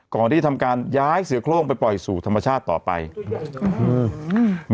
ก่อนที่จะทำการย้ายเสือโครงไปปล่อยสู่ธรรมชาติต่อไปอืม